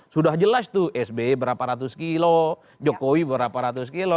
sudah jelas tuh sbe berapa ratus kilo jokowi berapa ratus kilo